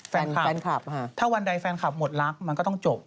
แฟนคลับค่ะถ้าวันใดแฟนคลับหมดรักมันก็ต้องจบ